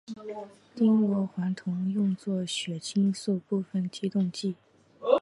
丁螺环酮用作血清素部分激动剂。